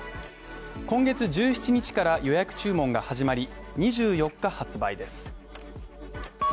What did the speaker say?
今月１７日から予約注文が始まり２４日発売です